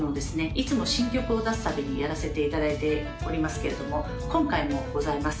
いつも新曲を出すたびにやらせていただいておりますけれども今回もございます